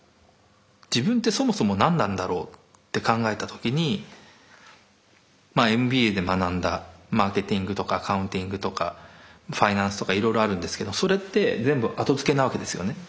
自分ってそもそも何なんだろうって考えた時にＭＢＡで学んだマーケティングとかアカウンティングとかファイナンスとかいろいろあるんですけどそれって全部後付けなわけですよね。